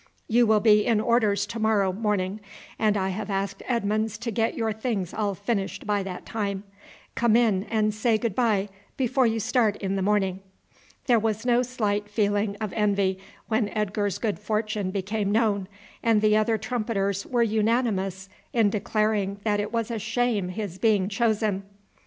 You will be in orders to morrow morning, and I have asked Edmonds to get your things all finished by that time. Come in and say good bye before you start in the morning." There was no slight feeling of envy when Edgar's good fortune became known, and the other trumpeters were unanimous in declaring that it was a shame his being chosen.